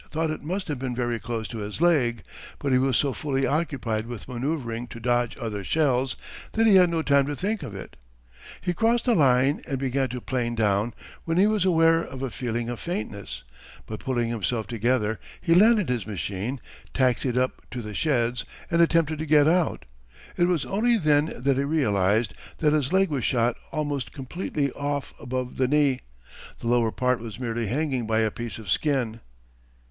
thought it must have been very close to his leg, but he was so fully occupied with manoeuvring to dodge other shells that he had no time to think of it. He crossed the line and began to plane down when he was aware of a feeling of faintness, but pulling himself together he landed his machine, taxied up to the sheds, and attempted to get out. It was only then that he realized that his leg was shot almost completely off above the knee; the lower part was merely hanging by a piece of skin.